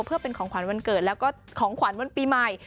เพื่อเป็นของขวัญวันเกิดแล้วก็ของขวัญวันปีใหม่